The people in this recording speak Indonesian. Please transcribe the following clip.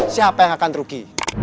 siapa yang akan rugi